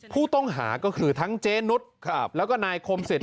ผู้ต้องหาก็คือทั้งเจนุสแล้วก็นายคมเสร็จ